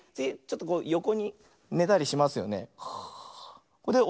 よこにねたりしますよね。